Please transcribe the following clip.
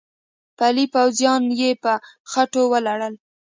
پلي پوځیان يې په خټو ولړل.